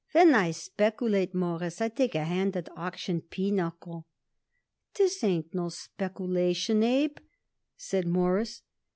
"When I speculate, Mawruss, I take a hand at auction pinochle." "This ain't no speculation, Abe," said Morris.